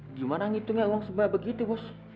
bagaimana menghitung uang sebesar itu bos